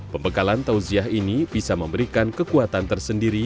pembekalan tauziah ini bisa memberikan kekuatan tersendiri